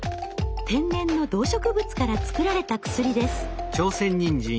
天然の動植物から作られた薬です。